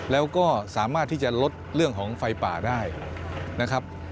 แล้วก็สามารถที่จะลดเรื่องของไฟป่าได้นะครับ